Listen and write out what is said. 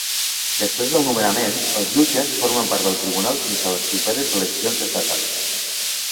Després del nomenament, els jutges formen part del tribunal fins a les properes eleccions estatals.